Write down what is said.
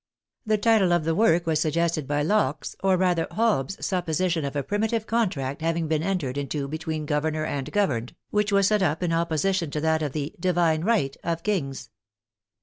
The title of the work was suggested by Lockers (or rather Hobbes' ) supposition of a primitive contract having been entered into between governor and governed, which was set up in opposition to that of the " divine right " of kings.